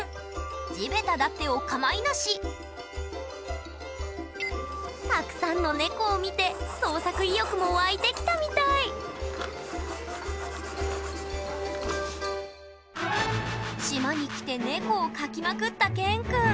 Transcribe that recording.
地べただってお構いなしたくさんの猫を見て創作意欲も湧いてきたみたい島に来て猫を描きまくったＫＥＮくん。